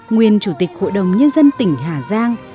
nguyên chủ tịch hội đồng nhân dân tỉnh hà giang